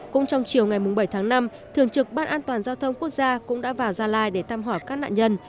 cũng trong chiều ngày bảy tháng năm thường trực ban an toàn giao thông quốc gia cũng đã vào gia lai để thăm hỏi các nạn nhân